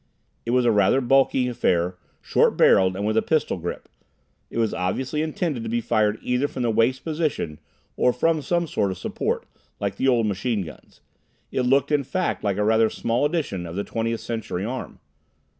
It was a rather bulky affair, short barrelled, and with a pistol grip. It was obviously intended to be fired either from the waist position or from some sort of support, like the old machine guns. It looked, in fact, like a rather small edition of the Twentieth Century arm.